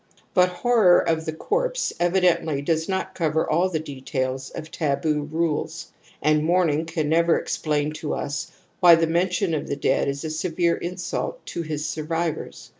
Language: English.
But horror of the corpse evidently does not cover all the details of taboo rules, and mourning can never explain to us why the mention of the dead is a severe insult to his survivors.